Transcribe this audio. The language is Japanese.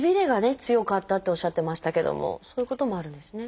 強かったっておっしゃってましたけどもそういうこともあるんですね。